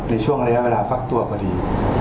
ในช่วงระยะเวลาฟักตัวพอดี